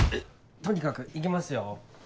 とにかく行きますよ。